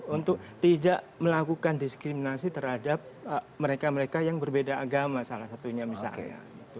untuk tidak melakukan diskriminasi terhadap mereka mereka yang berbeda agama salah satunya misalnya